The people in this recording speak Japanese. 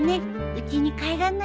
うちに帰らないと。